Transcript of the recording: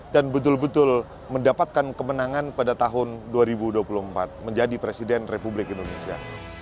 dan betul betul mendapatkan kemenangan pada tahun dua ribu dua puluh empat menjadi presiden republik indonesia